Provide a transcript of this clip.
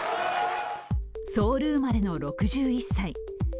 ソウル生まれの６１歳。